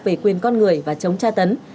về quyền con người và chống tra tấn